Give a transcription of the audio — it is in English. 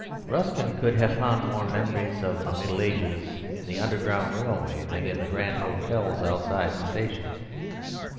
Ruskin could have found more memories of the Middle Ages in the Underground Railway than in the grand hotels outside the stations.